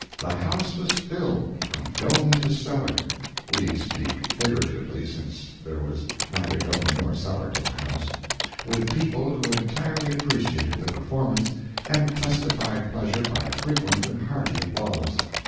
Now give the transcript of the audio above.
The house was filled, from dome to cellar (we speak figuratively, since there was neither dome nor cellar to the house,) with people who entirely appreciated the performance, and testified pleasure by frequent and hearty applause.